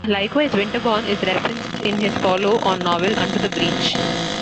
Likewise, "Winterborn" is referenced in his follow-on novel "Unto The Breach.